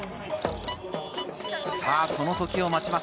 その時を待ちます